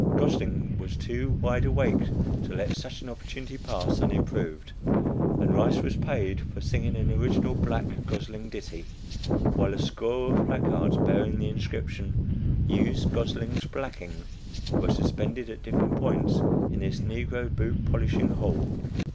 Gosling was too "wide awake" to let such an opportunity pass unimproved, and Rice was paid for singing an original black Gosling ditty, while a score of placards bearing the inscription, "Use Gosling's Blacking," were suspended at different points in this negro boot polishing hall.